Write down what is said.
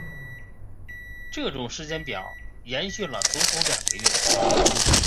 这种时间表延续了足足两个月。